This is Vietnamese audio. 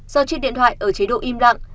do chiếc điện thoại ở chế độ im lặng